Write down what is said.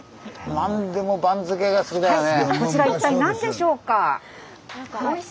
何でも番付が好きだよね。